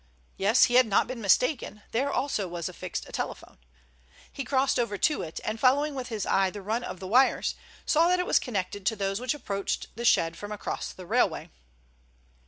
Yes, he had not been mistaken; there also was affixed a telephone. He crossed over to it, and following with his eye the run of the wires, saw that it was connected to those which approached the shed from across the railway.